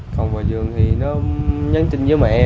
cộng vào giường thì nó nhắn tin với mẹ em